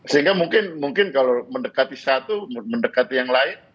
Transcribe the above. sehingga mungkin kalau mendekati satu mendekati yang lain